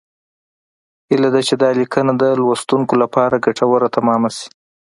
هیله ده چې دا لیکنه د لوستونکو لپاره ګټوره تمامه شي